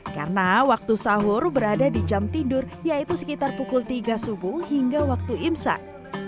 karena waktu sahur berada di jam tidur yaitu sekitar pukul tiga subuh hingga waktu imsad